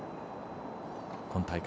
今大会